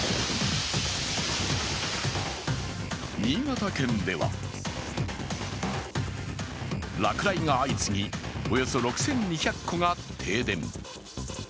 新潟県では落雷が相次ぎおよそ６２００戸が停電。